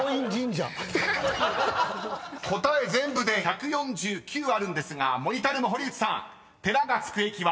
［答え全部で１４９あるんですがモニタールーム堀内さん寺が付く駅は？］